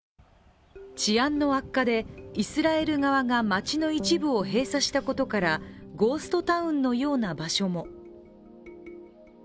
治安の悪化で、イスラエル側が町の一部を閉鎖したことからゴーストタウンのような場所も。